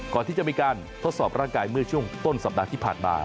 ก่อนที่จะมีการทดสอบร่างกายเมื่อช่วงต้นสัปดาห์ที่ผ่านมา